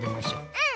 うん！